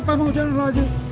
kenapa mau jalan lagi